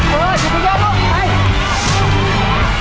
จับมือด้วย